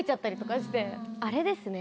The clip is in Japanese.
あれですね